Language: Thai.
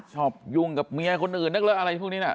ยุ่งกับเมียคนอื่นนึกเลอะอะไรพวกนี้นะ